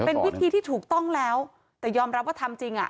เป็นวิธีที่ถูกต้องแล้วแต่ยอมรับว่าทำจริงอ่ะ